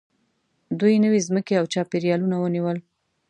دوی نوې ځمکې او چاپېریالونه ونیول.